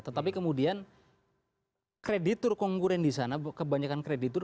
tetapi kemudian kreditur konkuren disana kebanyakan kreditur